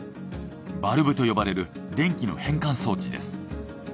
バルブと呼ばれる電気の変換装置です。